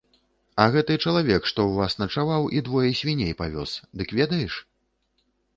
А гэты чалавек, што ў вас начаваў і двое свіней павёз, дык ведаеш?